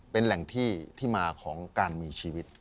เป็นแหล่งที่ที่มาของการมีชีวิต